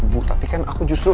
bu tapi kan aku justru